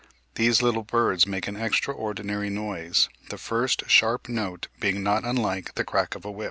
These little birds make an extraordinary noise, the first "sharp note being not unlike the crack of a whip."